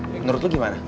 menurut lo gimana